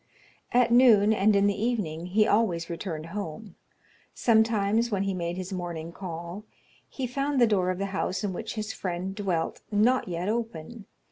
At noon, and in the evening, he always returned home. Sometimes, when he made his morning call, he found the door of the house in which his friend dwelt not yet open.